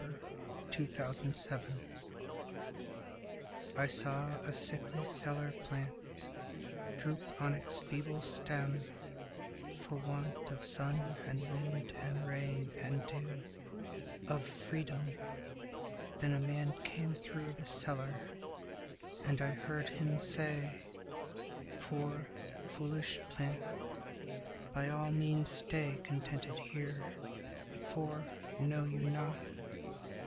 W X . Y Z The Incentive I SAW a sickly cellar plant Droop on its feeble stem, for want Of sun and wind and rain and dew Of freedom! Then a man came through The cellar, and I heard him say, "Poor, foolish plant, by all means stay Contented here; for know you not?